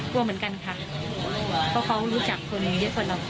กลัวเหมือนกันค่ะเพราะเขารู้จักคนเยอะกว่าเรา